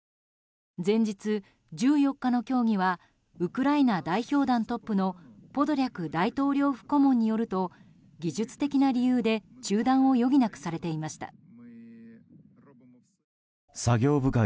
前日、１４日の協議はウクライナ代表団トップのポドリャク大統領府顧問によると技術的な理由で中断を余儀なくされていました。